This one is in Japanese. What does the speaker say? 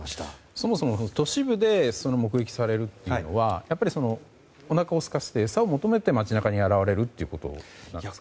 そもそも都市部で目撃されるのはおなかをすかせて、餌を求めて街中に現れるということなんですか。